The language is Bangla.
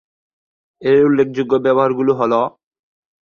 পেট ও পিঠের পালক ধূসর বা রূপালি রঙের যাদের প্রান্ত লালচে।